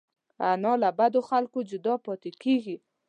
انا له بدو خلکو جدا پاتې کېږي